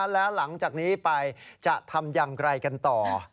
แล้วหลังจากนี้ไปจะทำอย่างไรกันต่อ